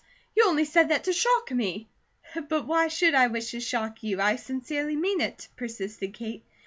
You only said that to shock me." "But why should I wish to shock you? I sincerely mean it," persisted Kate.